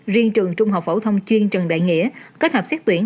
riêng trường trung học phổ thông chuyên trần đại nghĩa kết hợp xét tuyển